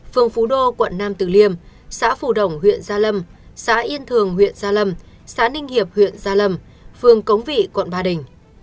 phường phú đô quận nam tử liêm xã phù đồng huyện gia lâm xã yên thường huyện gia lâm xã ninh hiệp huyện gia lâm phường cống vị quận ba đình